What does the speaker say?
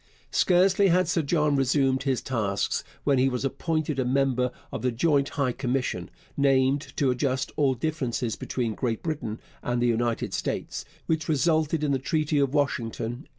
Scarcely had Sir John resumed his tasks when he was appointed a member of the Joint High Commission named to adjust all differences between Great Britain and the United States which resulted in the Treaty of Washington, 1871.